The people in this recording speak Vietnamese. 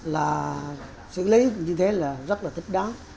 là xử lý như thế là rất là thích đáng